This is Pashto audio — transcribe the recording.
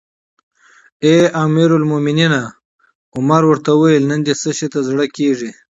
اې امیر المؤمنینه! عمر ورته وویل: نن دې څه شي ته زړه کیږي؟